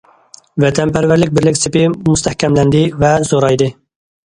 ۋەتەنپەرۋەرلىك بىرلىك سېپى مۇستەھكەملەندى ۋە زورايدى.